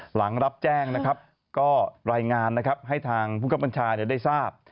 หลังรับแจ้งก็รายงานให้ทางพุทธควรรมัญชานะครับ